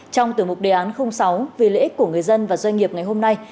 trong tử mục đề án sáu vì lợi ích của người dân và doanh nghiệp ngày hôm nay